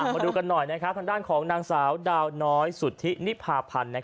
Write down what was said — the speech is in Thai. มาดูกันหน่อยทางด้านของนางสาวดาวน้อยสุธินิพาพันธ์